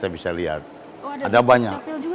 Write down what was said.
kita bisa lihat ada banyak